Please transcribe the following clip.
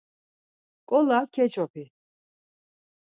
Nǩola keç̌opi.